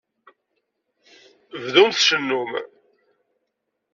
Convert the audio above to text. Bdum tcennum.